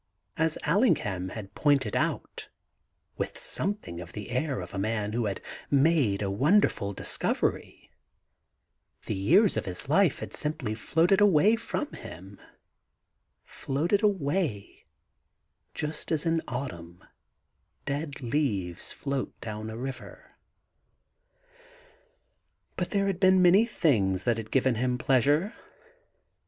As AUingham had pointed out (with something of the air of a man who has made a wonderful discovery), the years of his life had simply floated away from him — floated away just as in autumn dead leaves float down a river. But there had been many things that had given him pleasure.